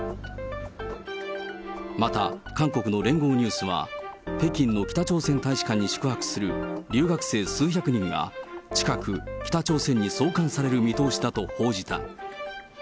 また、韓国の聯合ニュースは、北京の北朝鮮大使館に宿泊する留学生数百人が近く、北朝鮮に送還される見通しだと報じた。